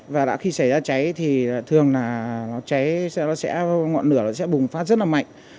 và khi xảy ra cháy thì thường là nó cháy nó sẽ ngọn nửa nó sẽ bùng phát rất là mạnh